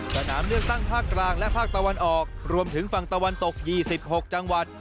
สนามเลือกตั้งภาคกลางและภาคตะวันออกรวมถึงฝั่งตะวันตก๒๖จังหวัด